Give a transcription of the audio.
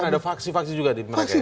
bahkan ada vaksi vaksi juga di amerika ya